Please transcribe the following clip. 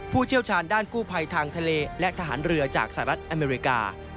เชี่ยวชาญด้านกู้ภัยทางทะเลและทหารเรือจากสหรัฐอเมริกา